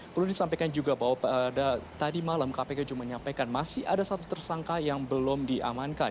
perlu disampaikan juga bahwa tadi malam kpk juga menyampaikan masih ada satu tersangka yang belum diamankan